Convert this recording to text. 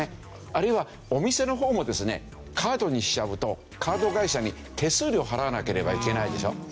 あるいはお店の方もですねカードにしちゃうとカード会社に手数料を払わなければいけないでしょ。